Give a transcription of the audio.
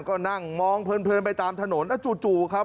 ก็นั่งมองเพลินไปตามถนนแล้วจู่ครับ